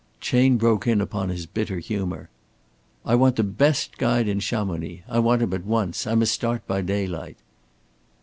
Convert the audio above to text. Chayne broke in upon his bitter humor. "I want the best guide in Chamonix. I want him at once. I must start by daylight."